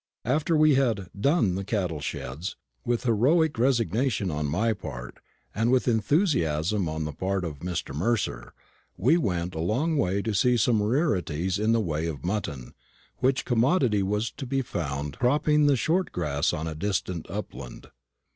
After we had "done" the cattle sheds, with heroic resignation on my part, and with enthusiasm on the part of Mr. Mercer, we went a long way to see some rarities in the way of mutton, which commodity was to be found cropping the short grass on a distant upland.